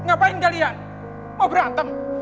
ngapain kalian mau berantem